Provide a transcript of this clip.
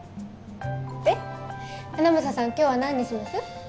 で英さん今日は何にします？